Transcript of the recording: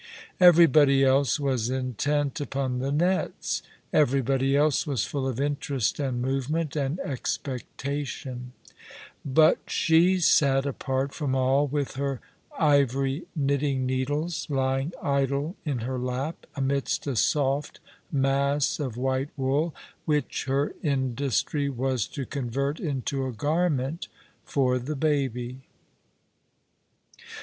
Everybody else was intent upon the nets. Every body else was full of interest and movement and expectation; but she sat ajDart from all, with her ivory knitting needles lying idle in her lap, amidst a soft mass of white wool, which her industry was to convert into a garment for the baby.